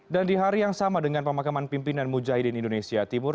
dan di hari yang sama dengan pemakaman pimpinan mujahidin indonesia timur